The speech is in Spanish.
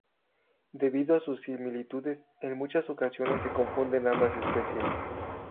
Debido a sus similitudes, en muchas ocasiones se confunden ambas especies.